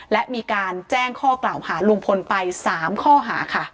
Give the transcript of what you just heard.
และมีการแจ้งข้อกล่าวหาลุงพลไป๓ข้อหาค่ะ